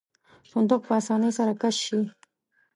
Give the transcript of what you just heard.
صندوق په آسانۍ سره کش شي.